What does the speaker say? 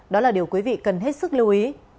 đó là điều quý vị cần hết sức lưu ý